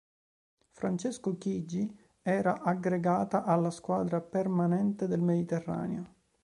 Francesco Chigi, era aggregata alla squadra permanente del Mediterraneo.